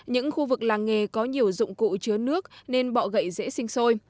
những khu vực làng nghề có nhiều dụng cụ chứa nước nên bọ gậy dễ sinh sôi